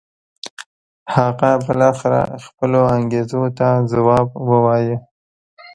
هغه بالاخره خپلو انګېزو ته ځواب و وایه.